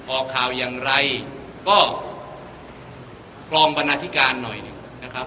ออกข่าวอย่างไรก็กรองบรรณาธิการหน่อยหนึ่งนะครับ